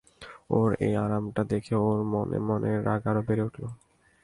ওর এই আরামটা দেখে ওঁর মনে মনে রাগ আরো বেড়ে উঠল।